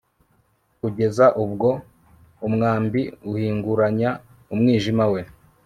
Kugeza ubwo umwambi uhinguranya umwijima we